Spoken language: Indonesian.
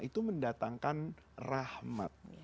itu mendatangkan rahmat